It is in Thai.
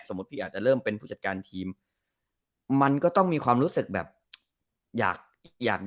พี่อาจจะเริ่มเป็นผู้จัดการทีมมันก็ต้องมีความรู้สึกแบบอยากอยาก